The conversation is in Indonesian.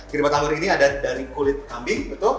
kirbat anggur ini ada dari kulit kambing betul